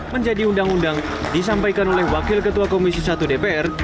menjadi undang undang disampaikan oleh wakil ketua komisi satu dpr